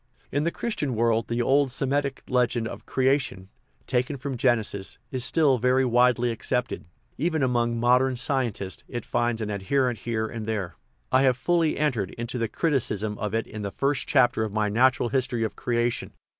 In the Christian world the old Semitic legend of crea tion, taken from Genesis, is still very widely accepted ; even among modern scientists it finds an adherent here and there. I have fully entered into the criticism of it in the first chapter of my Natural History of Crea tion.